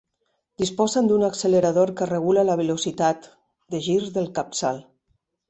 Disposen d'un accelerador que regula la velocitat de gir del capçal.